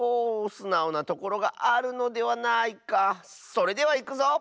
それではいくぞ！